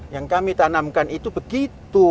yang kami tanamkan itu begitu